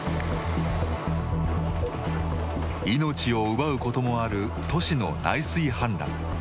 命を奪うこともある都市の内水氾濫。